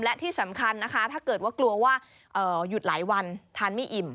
และที่สำคัญนะคะถ้าเกิดว่ากลัวว่าหยุดหลายวันทานไม่อิ่ม